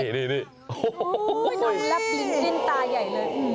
โอ้โหหลับยิงดิ้นตาใหญ่เลย